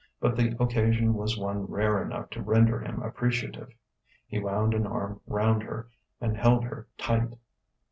But the occasion was one rare enough to render him appreciative. He wound an arm round her, and held her tight.